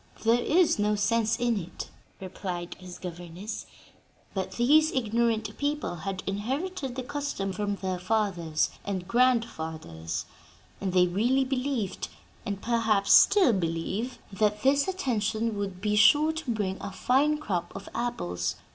"There is no sense in it," replied his governess, "but these ignorant people had inherited the custom from their fathers and grandfathers, and they really believed and perhaps still believe that this attention would be sure to bring a fine crop of apples.